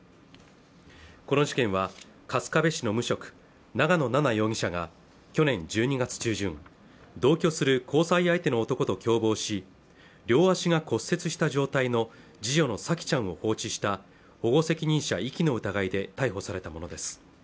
この事件は春日部市の無職長野奈々容疑者が去年１２月中旬同居する交際相手の男と共謀し両足が骨折した状態の次女の沙季ちゃんを放置した保護責任者遺棄の疑いで逮捕されたものです